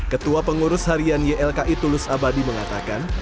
ketua pengurus harian ylki tulus abadi mengatakan